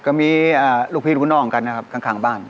ก็มีลูกพี่ลูกน้องกันนะครับข้างบ้าน